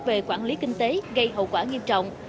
về quản lý kinh tế gây hậu quả nghiêm trọng